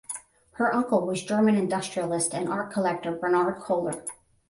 Her uncle was German industrialist and art collector Bernhard Koehler.